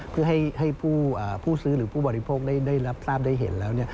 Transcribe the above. เพื่อให้ผู้ซื้อหรือผู้บริโภคได้รับทราบได้เห็นแล้ว